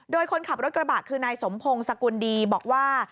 โดยคนขับรถกระบะคือนายสมพงศ์สกุลดีบอกว่า